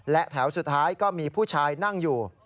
และแถวสุดท้ายก็มีผู้ชายนั่งอยู่